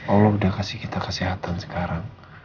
allah udah kasih kita kesehatan sekarang